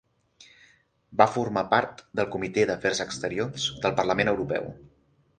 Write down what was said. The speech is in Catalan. Va formar part del comitè d'Afers Exteriors del Parlament Europeu.